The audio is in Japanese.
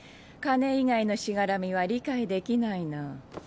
金以外のしがらみは理解できないな。